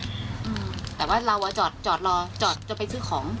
แต่ว่าเราจอดรอจอดจะไปซื้อของ